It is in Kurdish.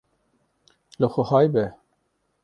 li xwe hay be